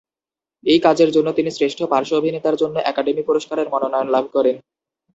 এই কাজের জন্য তিনি শ্রেষ্ঠ পার্শ্ব অভিনেতার জন্য একাডেমি পুরস্কারের মনোনয়ন লাভ করেন।